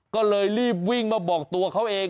ก็เลยรีบวิ่งมาบอกตัวเขาเอง